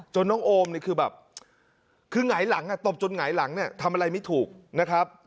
น้องโอมนี่คือแบบคือหงายหลังตบจนหงายหลังเนี่ยทำอะไรไม่ถูกนะครับ